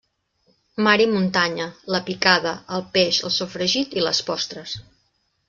Mar i muntanya, la picada, el peix, el sofregit i les postres.